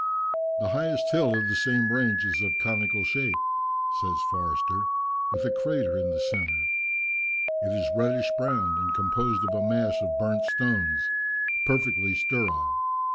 "The highest hill of the same range is of conical shape," says Forster, "with a crater in the centre. It is reddish brown, and composed of a mass of burnt stones, perfectly sterile.